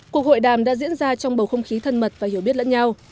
cuộc hội đàm đã diễn ra trong bầu không khí thân mật và hiểu biết lẫn nhau